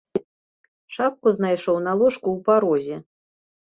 Шапку знайшоў на ложку ў парозе.